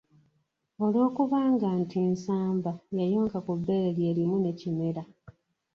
Olw'okubanga nti Nsamba yayonka ku bbeere lye limu ne Kimera.